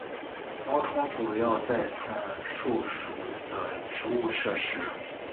毛虫主要在伞树属的植物摄食。